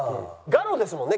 『ガロ』ですもんね？